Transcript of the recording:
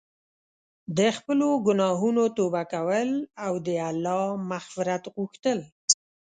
د خپلو ګناهونو توبه کول او د الله مغفرت غوښتل.